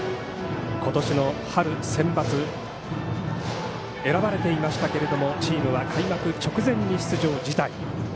今年の春センバツ選ばれていましたけれどもチームは開幕直前に出場辞退。